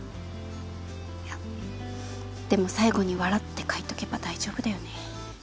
いやでも最後に「笑」って書いとけば大丈夫だよね。